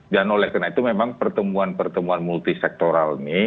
dan oleh karena itu memang pertemuan pertemuan multi sektoral ini